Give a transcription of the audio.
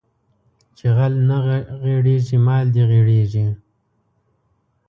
چې غل نه غېړيږي مال دې غېړيږي